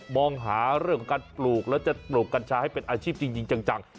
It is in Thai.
มองหาเรื่องของการปลูกแล้วจะปลูกกัญชาให้เป็นอาชีพจริงจัง